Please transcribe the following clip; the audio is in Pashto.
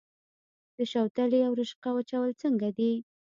د شوتلې او رشقه وچول څنګه دي؟